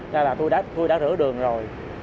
ra là tôi đã rửa đường rồi